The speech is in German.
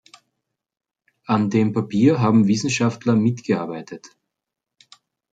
An dem Papier haben Wissenschaftler mitgearbeitet.